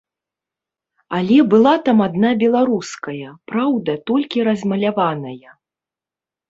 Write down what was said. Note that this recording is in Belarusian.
Але была там адна беларуская, праўда, толькі размаляваная.